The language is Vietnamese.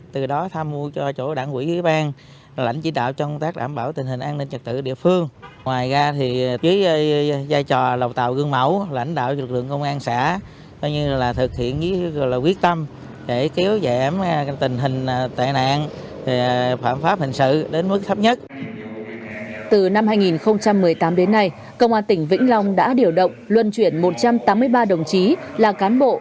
từ năm hai nghìn một mươi tám đến nay công an tỉnh vĩnh long đã điều động luân chuyển một trăm tám mươi ba đồng chí là cán bộ